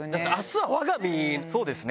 そうですよね。